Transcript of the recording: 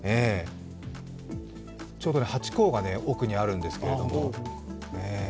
ちょうどハチ公が奥にあるんですけれども。